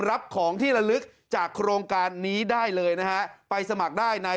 รับของที่ละลึกจากโครงการนี้ได้เลยนะฮะไปสมัครได้ใน